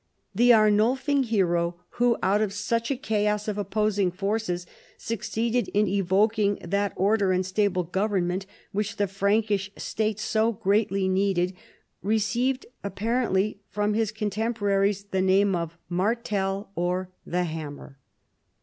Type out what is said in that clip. The Arnulfing hero Avho out of such a chaos of opposing forces succeeded in evoking that order and stable government which the Frankish State so greatly needed, received, ap})arently from his con temporaries, tiie name of Martel or the Hammer.